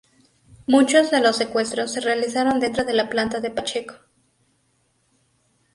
Muchos de los secuestros se realizaron dentro de la planta de Pacheco.